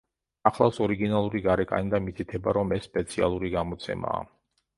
ახლავს ორიგინალური გარეკანი და მითითება, რომ ეს სპეციალური გამოცემაა.